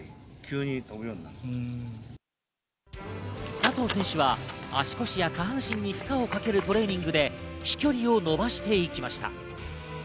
笹生選手は足腰や下半身に負荷をかけるトレーニングで飛距離を伸ばしていきました。